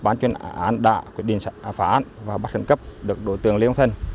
ban chuyên án đã quyết định phá án và bắt khẩn cấp được đối tượng lê long thành